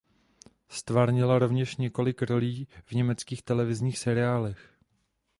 Ztvárnila rovněž několik rolí v německých televizních seriálech.